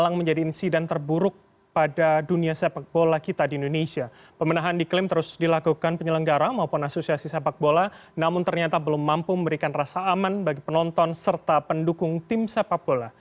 kita akan membahasnya lebih dalam dengan perspektif editorial